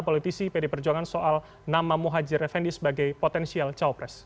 politisi pd perjuangan soal nama muhajir effendi sebagai potensial cawapres